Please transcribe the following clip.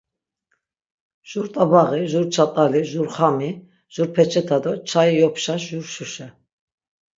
Jur t̆abaği, jur çatali, jur xami, jur peçeta do çai yopşa jur şuşe...